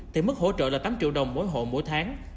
thì mức hỗ trợ là tám triệu đồng mỗi hộ mỗi tháng